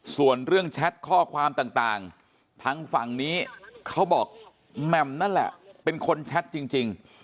ส่วนเรื่องแชทข้อความต่างทางฝั่งนี้เขาบอกแหม่มนั่นแหละเป็นคนแชทจริง